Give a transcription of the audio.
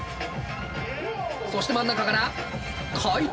そして真ん中から回転！